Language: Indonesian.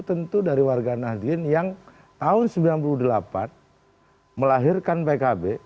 tentu dari warga nahdien yang tahun seribu sembilan ratus sembilan puluh delapan melahirkan pkb